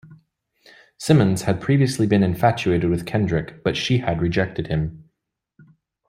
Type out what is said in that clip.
Simmons had previously been infatuated with Kendrick, but she had rejected him.